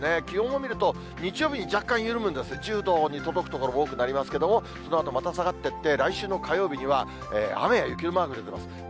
気温を見ると、日曜日に若干緩むんですが、１０度に届く所が多くなりますけども、そのあとまた下がっていって、来週の火曜日には、雨や雪のマーク出てます。